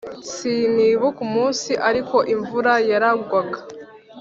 Sinibuka umunsi ariko imvura yaragwaga